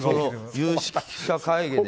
有識者会議で。